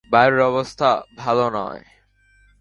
বাড়ির অবস্থাও ভালো নয়।